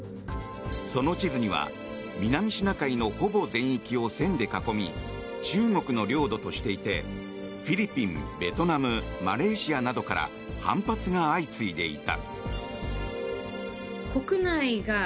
その地図には南シナ海のほぼ全域を線で囲み中国の領土としていてフィリピン、ベトナムマレーシアなどから反発が相次いでいた。